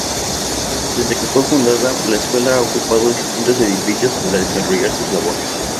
Desde que fue fundada, la Escuela ha ocupado distintos edificios para desarrollar sus labores.